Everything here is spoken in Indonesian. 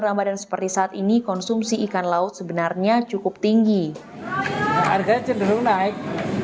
ramadhan seperti saat ini konsumsi ikan laut sebenarnya cukup tinggi harga cenderung naik